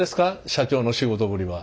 社長の仕事ぶりは。